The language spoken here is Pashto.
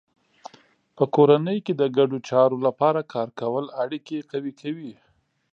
په کورنۍ کې د ګډو چارو لپاره کار کول اړیکې قوي کوي.